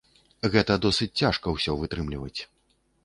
Гэта досыць цяжка ўсё вытрымліваць.